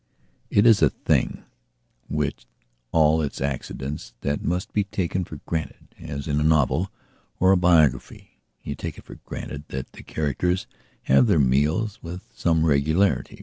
It is a thing, with all its accidents, that must be taken for granted, as, in a novel, or a biography, you take it for granted that the characters have their meals with some regularity.